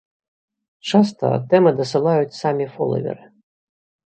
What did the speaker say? Часта тэмы дасылаюць самі фолаверы.